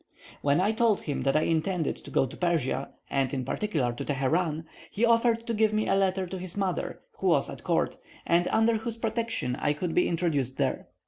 When I told him that I intended to go to Persia, and in particular to Teheran, he offered to give me a letter to his mother, who was at court, and under whose protection I could be introduced there.